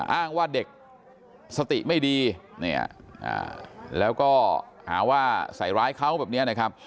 อ้างว่าเด็กสติไม่ดีเนี่ยแล้วก็หาว่าใส่ร้ายเขาแบบนี้นะครับ